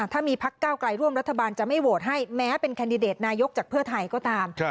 ถ้ามีพักเก้าไกลร่วมรัฐบาลจะไม่โหวตให้แม้เป็นแคนดิเดตนายกจากเพื่อไทยก็ตาม